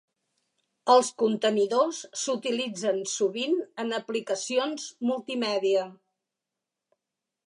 Els contenidors s'utilitzen sovint en aplicacions multimèdia.